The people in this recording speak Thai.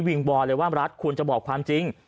งบอยเลยว่ารัฐควรจะบอกความจริง